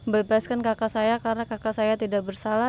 bebaskan kakak saya karena kakak saya tidak bersalah